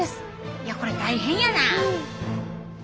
いやこれ大変やなあ。